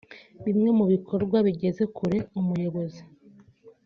Bimwe mu bikorwa yigeze kubera umuyobozi